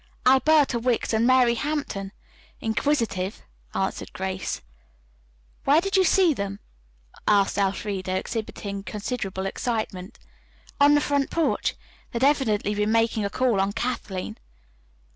"Alberta Wicks and Mary Hampton, Inquisitive," answered Grace. "Where did you see them?" asked Elfreda, exhibiting considerable excitement. "On the front porch. They had evidently been making a call on Kathleen."